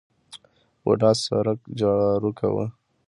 بوډا سرک جارو کاوه.